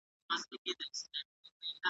د شګو بند اوبه وړي